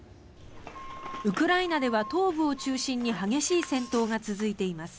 ウクライナでは東部を中心に激しい戦闘が続いています。